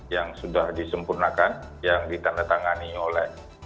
yang sudah disempurnakan yang ditandatangani oleh